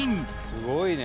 すごいね！